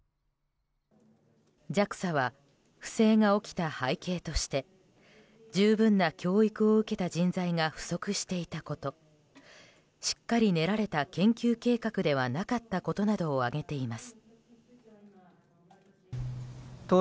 ＪＡＸＡは不正が起きた背景として十分な教育を受けた人材が不足していたことしっかり練られた研究計画ではなかったことなどを挙げています。